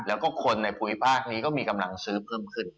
แล้วก็คนในภูมิภาคนี้ก็มีกำลังซื้อเพิ่มขึ้น